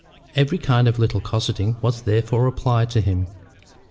Every kind of little cosseting was, therefore, applied to him.